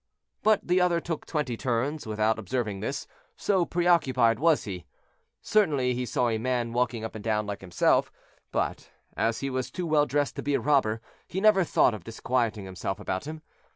But the other took twenty turns without observing this, so preoccupied was he. Certainly he saw a man walking up and down like himself: but, as he was too well dressed to be a robber, he never thought of disquieting himself about him.